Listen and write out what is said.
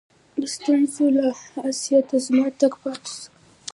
د ستونزو له آسیته زما تګ پاته سو.